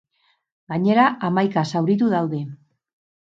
Gainera, hamaika zauritu daude.